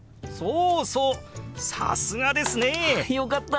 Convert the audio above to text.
あよかった！